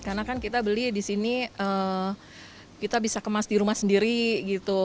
karena kan kita beli di sini kita bisa kemas di rumah sendiri gitu